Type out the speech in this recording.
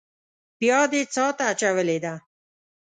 بيا دې څاه ته اچولې ده.